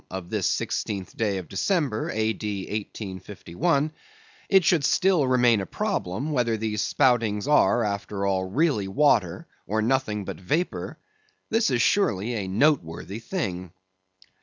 of this sixteenth day of December, A.D. 1851), it should still remain a problem, whether these spoutings are, after all, really water, or nothing but vapor—this is surely a noteworthy thing.